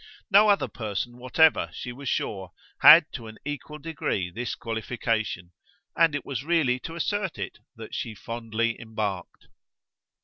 No other person whatever, she was sure, had to an equal degree this qualification, and it was really to assert it that she fondly embarked.